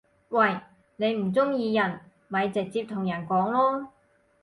喂！你唔中意人咪直接同人講囉